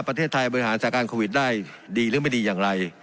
ประเทศไทยบริหารสถานการณ์โควิดได้ดีหรือไม่ดีอย่างไร